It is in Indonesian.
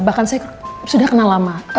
bahkan saya sudah kenal lama